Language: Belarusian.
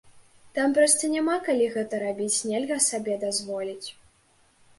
Там проста няма калі гэта рабіць, нельга сабе дазволіць.